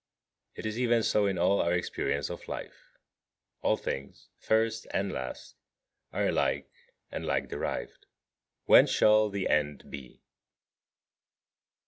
It is even so in all our experience of life. All things, first and last, are alike, and like derived. When shall the end be?